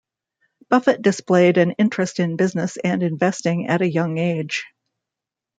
Buffett displayed an interest in business and investing at a young age.